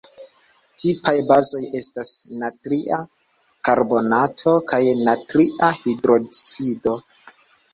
Tipaj bazoj estas natria karbonato kaj natria hidroksido.